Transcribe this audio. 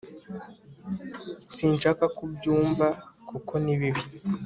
sinshaka ko ubyumva kuko nibibi